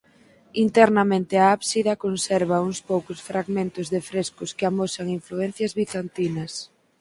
Internamente a ábsida conserva uns poucos fragmentos de frescos que amosan influencias bizantinas.